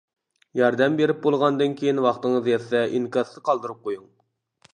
ياردەم بېرىپ بولغاندىن كېيىن ۋاقتىڭىز يەتسە ئىنكاستا قالدۇرۇپ قويۇڭ.